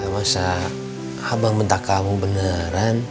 masa abang minta kamu beneran